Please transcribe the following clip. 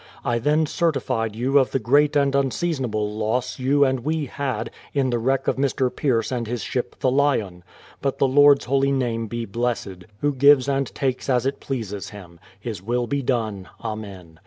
I then certified you of the great and unseasonable loss you and we had, in the wreck of Mr. Pierce and his ship the Lj'on; but the Lord's holy name be blessed, Who gives and takes as it pleases Him ; His will be done. Amen.